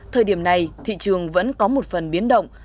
thời điểm này thị trường vẫn có một phần biến động